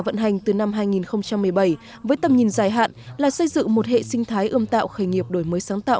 năm hai nghìn một mươi bảy với tầm nhìn dài hạn là xây dựng một hệ sinh thái ươm tạo khởi nghiệp đổi mới sáng tạo